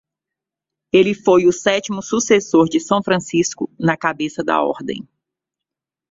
Ele foi o sétimo sucessor de São Francisco na cabeça da ordem.